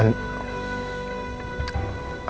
andi gak ada